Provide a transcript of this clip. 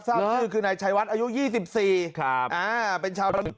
ซ่าสื่อคือในชายวัตรอายุ๒๔เป็นชาว